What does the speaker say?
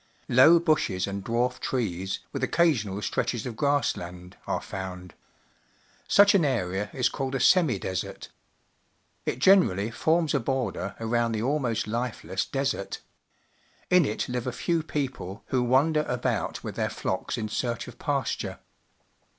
Low bushes and dwarf trees, with occasional stretches of grass land, arc found. Puchanareais called a semi desert. It generally forms a border around the almost lifeless desert. In it live a few people, who wander about with their flocks in search of pasture.